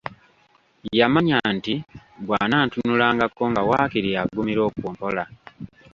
Yamanya nti bw'anantunulangako nga waakiri agumira okwo mpola.